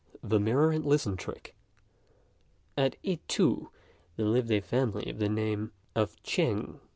THE "MIRROR AND LISTEN" TRICK. At I tu there lived a family of the name of Chêng.